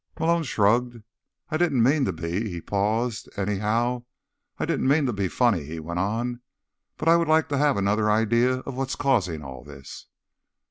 Malone shrugged. "I didn't mean to be—" He paused. "Anyhow, I didn't mean to be funny," he went on. "But I would like to have another idea of what's causing all this."